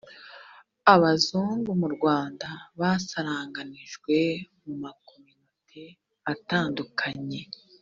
abazungu mu rwanda basaranganijwe mu makominote atandukanye